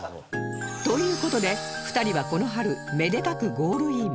という事で２人はこの春めでたくゴールイン